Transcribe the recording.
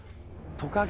トカゲ。